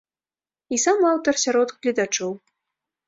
І сам аўтар сярод гледачоў.